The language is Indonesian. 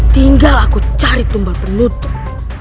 tinggal aku cari tumbal penutup